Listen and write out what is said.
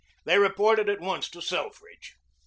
They reported at once to Selfridge.